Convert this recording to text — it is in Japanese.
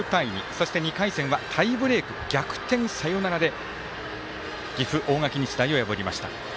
そして、２回戦はタイブレーク逆転サヨナラで岐阜、大垣日大を破りました。